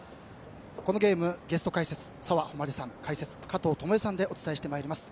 このゲームゲスト解説、澤穂希さん解説、加藤與惠さんでお伝えしてまいります。